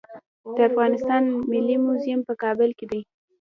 د افغانستان ملي موزیم په کابل کې دی